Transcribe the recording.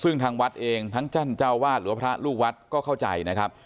ซึ่งทางวัดเองทั้งท่านเจ้าวาดหรือว่าพระลูกวัดก็เข้าใจนะครับ